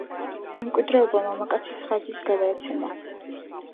მემკვიდრეობა მამაკაცის ხაზით გადაეცემა.